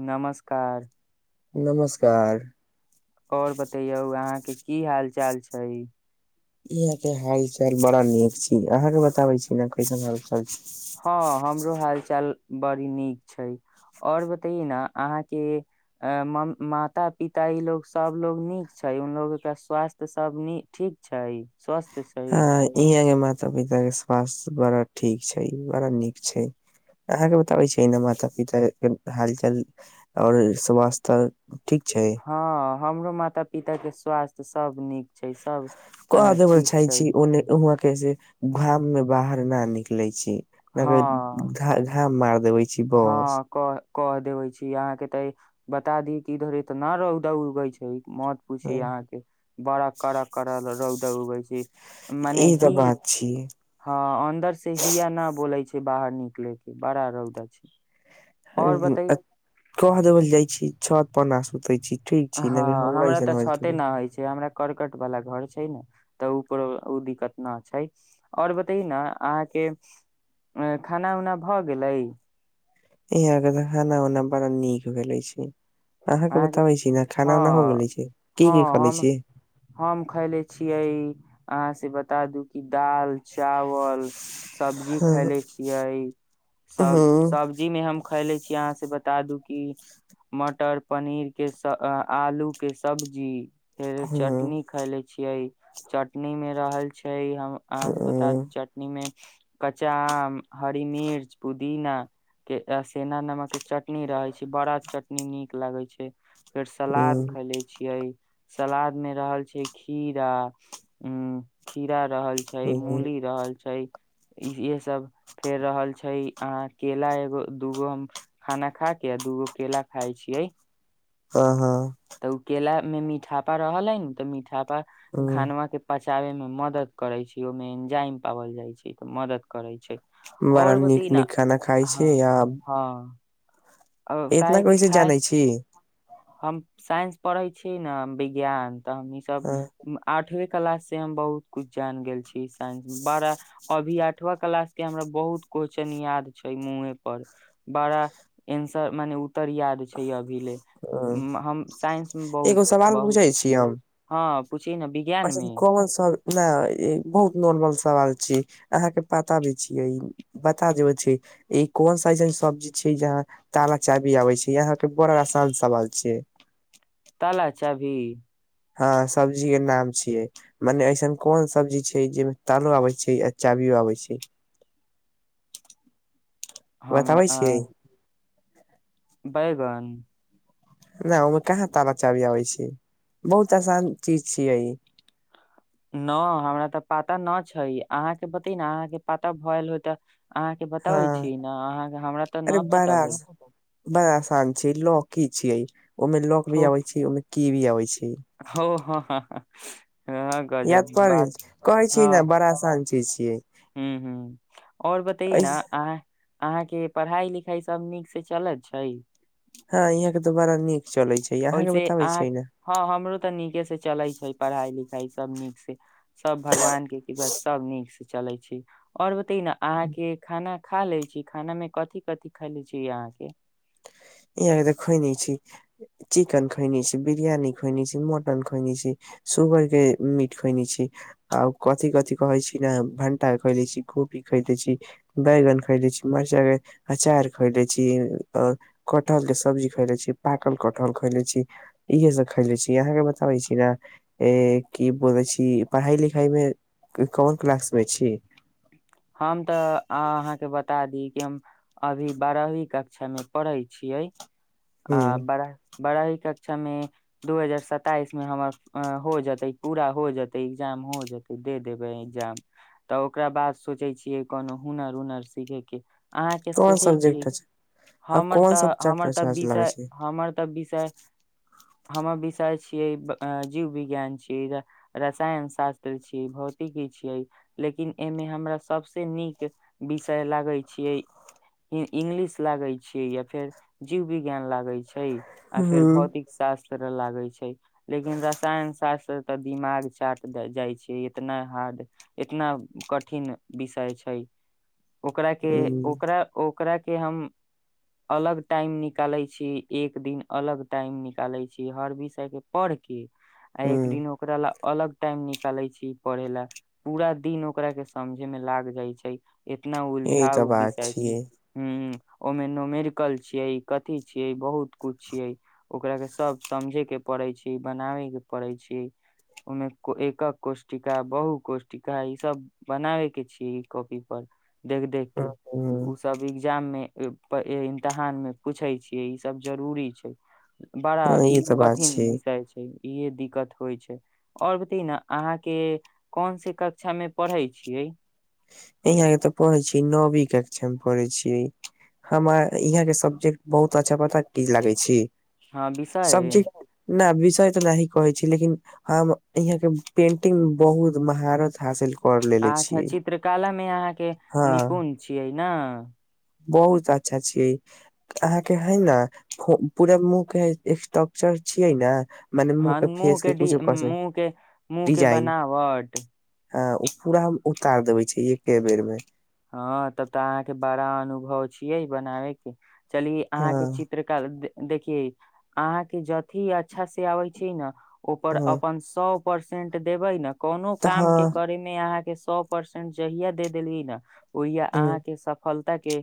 नमस्कार नमस्कार। औश्र बतैयौ अहांके कि हाल चाल छै। इहां के हाल चाल बड़ा नीक छै, अहां के बताबै छी ने कैसन हाल छै। हां, हमरो हाल छै चाल बड़ी नीक छै, और बतैए न अहांके म माता पिता इ लोग सब लोग नीक छै उन लोगके स्वास्थ्य सब न ठीक छै? स्वस्थ छै हां, इहां के मात माता पिता के स्वास्थ्य बड़ा ठीक छै बड़ा नीक छै अहांके बताबै छी ने माता-पिता के हालचाल और स्वास्थ्य ठीक छै हां, हमरो माता पिताके स्वास्थ्य के सब नीक छै सब कह अ, देबय ठीक चाहै छै छी ओने उहां तैसे घाम में बाहर ना निकलै छी। नहि कह घ- घा मार देबै हां, क क देबै छी अहांके त बता दी कि इधर एतना रौदा उगै छै। मत पुछि हाँ, अहांके बड़ा कड़ा कड़ा रौद रौंद उगै छै मने ई तऽ ही, बात छी हां अन्दर से हिया ना बोलै छै। कि बाहर निकले के, बड़ा रौदा छै। और बते कह देबल जाइ छी, छत पना सूतै छी। ठीक छी ने हँ हमरा ऐसन तऽ होल छते नहि होइ छै। हमरा करर्कट वाला घर छै ने तऽ उ पर ओ दिक्कत न छै। आओर बतयो ने अहाँके खाना-उना भऽ गेलै? ईहाँ के तऽ खाना-ओना बड़ा नीक भेलै छी। अहांके, ने खाना उना हो हां गेले छै की की हां खले हम, छी हम खयले छियै अहांसे बता दु कि दाल चावल सब्जी हाँ खैले छियै, हाँ सब सब्जी मे हम खयले छी की आहाँ सब के बता दू कि मटर पनीर के स आ आलू के सब्जी। फेर हाँ चटनी खाय ले छियै। चटनी मे रहल छी। छै हम अहाँ हाँ से बता दू चटनी मे कच्चा आाम, हरी मिर्च, पुदीना के सेंधा नमक के चटनी रहे छै बड़ा चटनी नीक लागै छै। फेर सलाद हाँ खैले छियै। सलाद मे रहल छै खीरा उ खीरा रहल छै मूली रहल छै। इहे सब फेर रहल छै। अहाँ केला एगो दूगो हम खाना खा के आ दूगो केेला खााय छी। यै हँ हँ मे मीठापा रहलै तऽ मीठा हाँ, खानवा के पच पचाबै में मदद करे छै। ओहि मे एंजइम पावल जाय छै त मदद करे छै। बड़ा और बतै न नीक-नीक खाना खाइ हँ छियै आब‌। हँ इतना‌ काहेकि कैसे खाय जानै छी? हम साइंस पढ़ै छी ने विज्ञान। तऽ हम ई सब हाँ, आठवीं क्लास से हम बहुत कुछ जान गेल छी साइंस में। बड़ा अभी आठवा क्लास के हमरा बहुत क्वेश्चन याद छै मुँहे पर। बड़ा एन्सर मने उत्तर याद छै अभी ले। हाँ। हम साइंसमे एगो सवाल बहुत-बहुत पूछै छी ठीक हम हँ पूछि ने विज्ञान अच्छा त मे काॅमन सर न ई बहुत नॉर्मल सवाल छै। अहाँ के पताबी छिय बता देब छै। ई कोन सा ऐसन सब्जी छै? जहाँ ताला-चाभी भी आबे छै। अहाँ के बड़ा आसान सवाल छै। ताला-चाभी हँ सब्जी के नाम छियै। मने अऐसन कोन सब्जी छै? जाहिमे तालो आबै छै आ चाभियो आबै छै। हमे बताबै आ छियै बैगन? नहि ओहिमे कहाँ ताला चभी आबै छै बहुत आसान चीज छियै ई। नहि हमरा तऽ पता नहि छै अहाँके बते ने अहाँके पता भल हो त। हँ तऽ अरे न पता बड़ा भेल बड़ा आसान छै लौक छियै ओहिमे लॉक भी आबै छै ओहिमे की भी अबै छै। हौ ह ह याद पारियो कहै छी ने बड़ा आसान छै। की छियै। हुं हुं और बताय न अहा अहाँ के पढ़ाई लिखाई सब नीक से चलैत छै। हँ इहाँके तऽ बड़ा नीक चलै छै अहाँके ओहिसे बताबै अहाँ छियै ने हँ हमरो तऽ नीके से चले छै पढ़ाई लिखाई छै। सब नीक से सब भगवान के कृपा स सब नीक। चलै छी आ ओरब तिन अहाँके खाना खा ले छी खाना मे कथि कथि खा ले छी अहाँके। यह कतऽ खैने छी, चिकन खैने छी, बिरियानी खोइने छी, मटन खैने छी, सुगर के मीट खैने छी, आ कथि कथि कहै छी ने भंटा खैते छी, गोभी खैते छी, बैगन खैते छी, मरचाई के अचार खेते छी। कटहल के सब्जी खैले छी, पाकल कटहल खैले छी, इहे सब खैले छी, अहाँके बताबै छी ने की बोले छी पढ़ाई लिखाई मे कॉन क्लास मे छी। हम तऽ अहाँके बता दी कि हम अभी बारहवीं कक्षामे पढ़ै छियै। हुं आ बड़ा बड़ाई कक्षा मे दू हजार सताइस में हमर हो जेते पूरा हो जेते एग्जाम हो जेते दे देबे एग्जाम तऽ ओकरा बाद सोचै छियै कोनो हुनर उनर सीखेके। अहाँके कोन सोचै छियै सब्जेक्ट अच्छा आ हमर कोन तऽ सब्जेक्ट हमर तऽ अच्छा लागै विषय छै हमर तऽ विषय हमर विषय छियै जीव विज्ञान छियै, रसायन शास्त्र छियै, भौतिकी छियै लेकिन एमे हमरा सबस नीक विषय लागे छीेये इंगलिश लागे छी या फेर जीव विज्ञान लागे छैय। आर हुं फेर भौतिक सास कर लागे छैय लेकिन रसायन शास्त्र तऽ दिमाग चाट जाइ छैय, इतना हार्ड इतना कठिन विषय छैय। ओकरा के हुं ओकरा ओ ओकरा के हम अलग टाइम निकालै छी एक दिन अलग टाइम निकालै छी हर विषय के पढ़ के। आ एक हुं दिन ओकरा ला अलग टाइम निकाले छी पढ़े ला पूरा दिन ओकरा के सम जे मे लाग जाइ छैय। इतना यही तऽ उलझाउ बात बिसै छियै। छैय हूं हूं ओहिमे नोमेरिकल छीये कथि छियै बहुत कुछ छियै ओकरा के सब समझे के पड़े छैय बनावे के पड़े छैय ओहिमे एकक कोष्टिका बहु कोष्टिका ई सब बनावे क् छी ई कॉपी पर। देख-देख ह के। ऊसब एग्जाम मे ई प् इम्तिहान मे पूछै छियै। ईसभ जरूरी छै। बड़ा ई तऽ बात कठिन छै विषय छै। इहे दिक्कत होइ छै। और बताइ न, अहाँके कौन सी कक्षामे पढ़ै छियै? यहांके तऽ पढ़े छी नौवी कक्ष मे पढ़े छी हमरा यहा के सब्जेक्ट बहुत अच्छा पता की लागे छी हँ बिसै सब्जेक्ट न विषय तऽ न ही कहे छी लेकिन हम यहां के पेंटिंग मे बहुत महारत हासिल पढ ले लेे अच्छा छियै। चित्रकला मे अहाँके हँ निपुण छियै? ना? बहुत अच्छा छियै ई। अहाँके हइ ना, को पूरा मुँहके स्ट्रक्चर छियै ने मने मुँह हँ, के फेस मुँहके के डि कुछो कस मुँहके मुँहके बनावट? अ ओ पूरा हम उतार देबै छियै एक्के बेरमे। हँ तब तऽ अहाँके बड़ा अनुभव छियै बनाबयके। चलिये अहाँके हँ चित्रकला दे- देखियै, अहाँके जँ अथि अच्छासे आबै छै ना ओपर हँ अपन सौ परसेंट देबै न कोनो तऽ हँ कामके करैमे अहाँके स्- सौ परसेंट जहिया दे देलियै न ओहिया ह अहाँके सफल ताके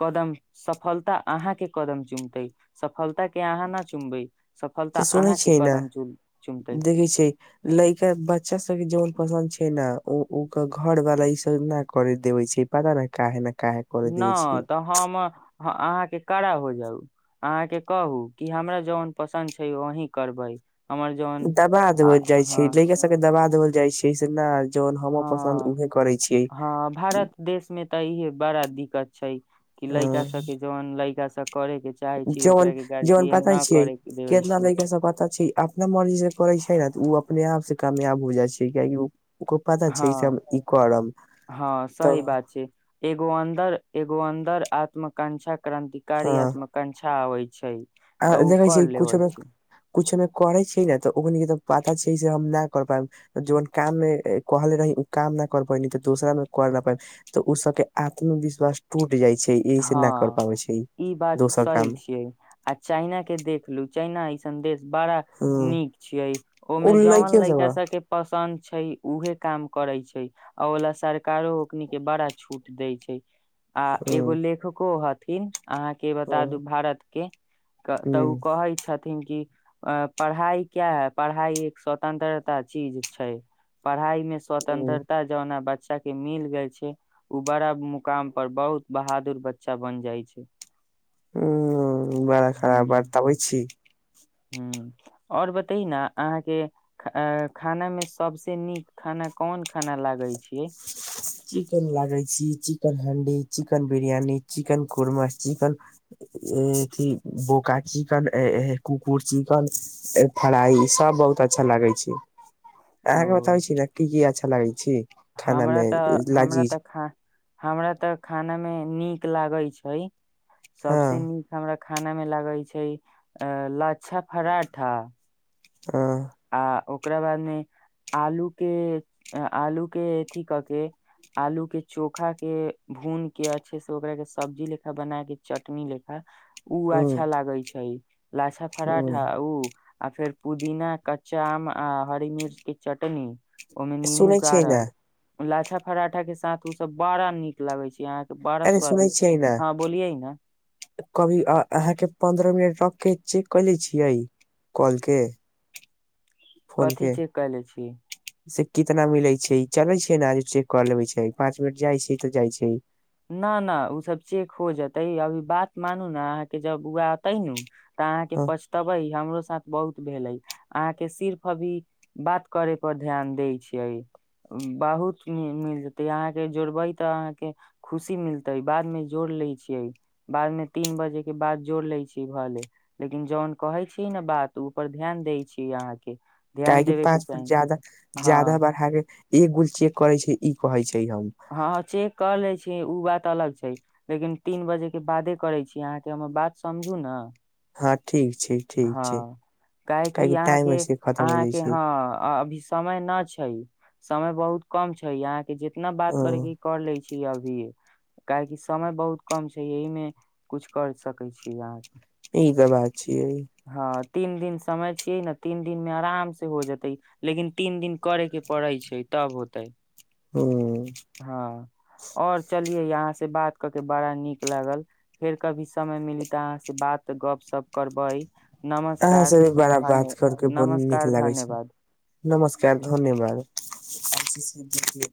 कदम सफलता अहाँके कदम चुमतै। सफ्- तऽ सुनै अहाँके छियै ने। कदम चुम चुमतै देखै छियै लैका बच्चा सबके जौन पसन्द छै हइ ना, ओ उकर घरवाला ईसब ना करे देवै छै। पता नै काहे ला। ना तऽ हम ह अहाँके कड़ा हो जाउ। अहाँके कहू, कि हमरा जौन पसन्द छै वहीँ करबै। हमर जौन दबा आ- देवल जाइ हँ छै। लैका सबके दबा देवल जाइ छै से नाइ हँ। हँ, भारत देशमे तऽ इहे बड़ा दिक्कत छै। कि लैका सबके जौन लैका सब करे के चाहे छी जन ओकरा के जन गार्जियन पता न छियै, करे के देवे कितना छी लैकासब पता छै अपना मर्जीसे करै छै ने, तऽ उ अपने आपसे कामयाब हो जाइ छै कियाकि ओ हँ हँ तऽ सही बात छै एगो अन्दर। एगो अन्दर आत्मकांछा। क्रानंतिकारी आत्मकां। अच्छा आबै छै। आ तऽ ओ देखै कर छियै कुछ लेबै लोक छै कुछ हमे करे छीयै ने तऽ ओकनीके तऽ पता छै से हम ना कर पाइब। जोन काममे एक कहले रही, उ काम ना कर पयली, तऽ दोसरामे कर ना पाइब, तऽ उ सबके आत्मविश्वास टूट ट जाइ छै इहेसे ना हँ कर पाबै छै ई, बात दोसर सही काम। छियै आ चाइना के देखलु। चाना ई सन्देश। बड़ा हम्म नीक छियै उ ओहिमे जवन लइकियों लड़िका ह सब के पसन्द। छै उहे काम करै छै आ ओ ल सरकारो ओन के बड़ा छूट दै छै। एगो हम्म लेखको हत। इन अहाँके बता दू हम्म भारत। के। तऽ हम्म ओ कहै छथि। कि अ पढ़ाइ क्या है पढ़ाइ एक स्वतंत्रता चीज छै पढाई। मे हम्म स्वतंत्रता जाना बच। बच्चा के मिल गेल छै ओ बड़ा मुकाम पर बहुत। बहादुर बच्चा बन जाइ छै। ह बड़ा खराब ह आ त बै छी। ह आओर बतै न अहाँके खाना मे सभस नीक खाना कोन खाना लागै छै। हे। चिकेन लागे छी चिकेन हंडी चिकेन बिरियानी चिकेन कर्मा चिकनथ बोका चिकन कुकुर चिकन फ्राई सब बहुत अच्छा लागे छै। ओ अहा के बतावें छी ने की की आ छै। अचछा लगै छै। हमरा तऽ हमरा तऽ ख हमरा तऽ खाना मे नीक। नीक लागै छै। हँ सबस नीक हमरा। खाना में लागै छै अ ला। अच्छा परराठा। हँ आ ओ। ओकरा बाद मे आलू के आलू के अथी कऽ के आलू के चोखा के भून के अच्छे से ओकरा के सब्जी लेखा बना के चटनी लेखा। ओ हूँ अच्छा लागे छै। लाछा फराठ हूँ आउ। आर फेर पुदीना। कच्चा आम आ हरी मिर्च के चटनी। ओहिमे नीबू सुनै छियै ने गड़ल। लाछा पराठा के साथ सब बड़ा नीक लगे छै यहां। अरे सुनेै छियै ने न कभी अहाँके पन्द्र मिनट र। अ के चेक क ले छियै कॉल के। फोन कथी के चेक कयले छी। से कितना मिलै छै चले छै ने चेक कऽ लेबे छै पाँच मिनट जाइ छै तऽ जाइ छै। न नहि ओसभ चेक हो जेतै अभी बात मानू ने अहाँके जब उग तै न। तऽ अहाँ के ह पछतेबै हमरो साथ बहुत। भेलै अहाँके सिर्फ अभी बात करे पर ध्यान दै छियै बहुत मिल जेतै अहाँके जोड़बै तऽ अहाँके। खुशी मिलते बाद मे जोड़ ले छियै बाद मे तीन बजे के बाद जोड़ ले छी भले लेकिन जौन कहे छीियै ने बात ऊपर ध्यान दै छीिय अहाँके। त ध्यान कि देबे के पाँच फुट चाही जादा हँ जाददा बार हे। ए गुल चेक करे छै ई कहै छै। हम हँ चेक क लै छी। ओ बात अलग छै लेकिन तीन बजे के बादे करै छी अहाँके हमर बात समझु ने। हँ ठीक छै ठीक हँ छै काहेकि टाइम अहाँके ऐसे खतम हो जाइ अहाँके छै हँ अभी समय नहि छै। समय बहुत कम छै यहाँ के जितना। ह करके कर ले छी अभी। काहेकि समय बहुत कम छै एहिहमे कुछ कर सकैत छीियै अहाँ। ई त भ। छिय। तीन दिन समय छियै ने तीन दिन मे आराम से हो जेतै लेकिन तीन दिन करे के पड़ै छै तब होतै। हु। हँ और चलिये अहाँ से बात क के बड़ा नीक लागल फेर कभी समय मिली तऽ अहाँ से बात गप सप करबै। अहाँ नमस्कार सब भ बड़ा बात धन्य करके ब नीक नमस्कार लागे छै। धन्यवाद नमस्कार धन्यवाद।